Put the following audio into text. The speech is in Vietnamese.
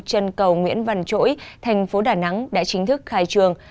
trên cầu nguyễn văn chỗi thành phố đà nẵng đã chính thức khai trương